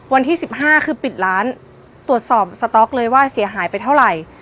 วันที่๑๕คือปิดร้านตรวจสอบสต๊อกเลยว่าเสียหายไปเท่าไหร่